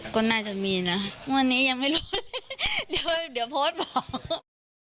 ก็น่าจะมีนะงวดนี้ยังไม่รู้เดี๋ยวเดี๋ยวโพสต์บอก